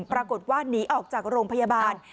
ปรากฏว่าหนีออกจากโรงพยาบาล